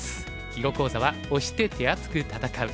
囲碁講座は「押して手厚く戦う」。